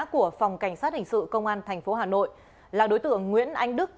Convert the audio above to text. của phòng cảnh sát hình sự công an tp hà nội là đối tượng nguyễn anh đức